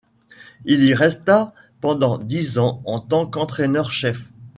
Il y resta pendant dix ans en tant qu'entraîneur-chef.